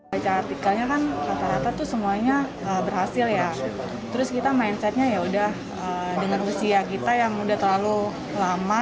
baca artikelnya kan rata rata tuh semuanya berhasil ya terus kita mindsetnya ya udah dengan usia kita yang udah terlalu lama